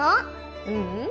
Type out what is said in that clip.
ううん。